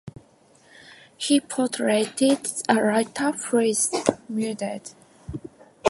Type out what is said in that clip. He portrayed a writer who is murdered.